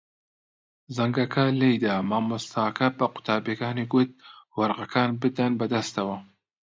زەنگەکە لێی دا. مامۆستاکە بە قوتابییەکانی گوت وەرەقەکان بدەن بەدەستەوە.